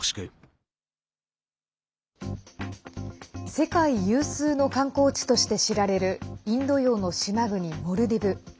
世界有数の観光地として知られるインド洋の島国モルディブ。